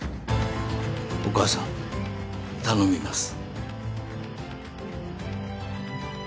お母さん頼みます。